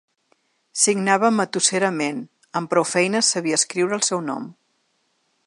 Signava matusserament, amb prou feines sabia escriure el seu nom.